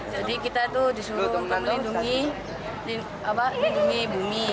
jadi kita disuruh melindungi bumi